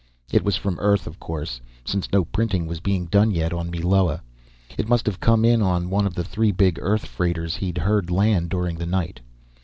It was from Earth, of course, since no printing was being done yet on Meloa. It must have come in on one of the three big Earth freighters he'd heard land during the night.